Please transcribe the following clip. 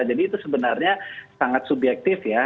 jadi itu sebenarnya sangat subjektif ya